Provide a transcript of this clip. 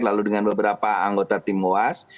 lalu dengan beberapa anggota tim moas